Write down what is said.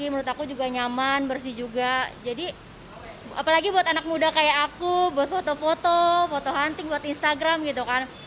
menurut aku juga nyaman bersih juga jadi apalagi buat anak muda kayak aku buat foto foto hunting buat instagram gitu kan